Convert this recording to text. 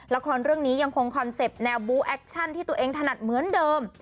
ละครเรื่องนี้ยังคงคอนเซ็ปต์แนวบูแอคชั่นที่ตัวเองถนัดเหมือนเดิม